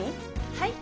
はい？